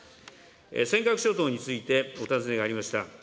尖閣諸島についてお尋ねがありました。